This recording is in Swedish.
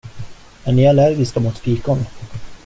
Är ni allergiska mot fikon?